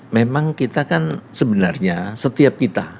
memang kita kan sebenarnya setiap kita